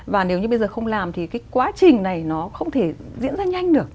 và nếu như bây giờ không làm thì cái quá trình này nó không thể diễn ra nhanh được